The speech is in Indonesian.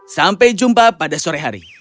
sampai jumpa pada sore hari